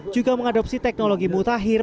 juga mengadopsi teknologi mutahir